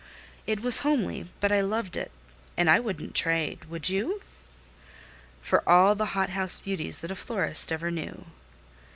It was homely, but I loved it, and I wouldn't trade, would you? For all the hothouse beauties that a florist ever knew.